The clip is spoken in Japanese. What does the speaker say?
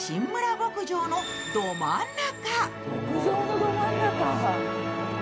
牧場のど真ん中。